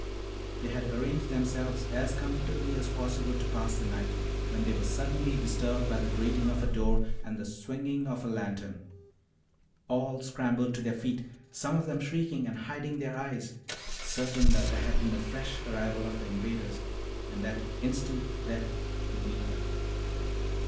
They had arranged themselves as comfortably as possible to pass the night, when they were suddenly disturbed by the grating of a door and the swinging of a lantern. All scrambled to their feet, some of them shrieking and hiding their eyes, certain that there had been a fresh arrival of the invaders, and that instant death would meet them.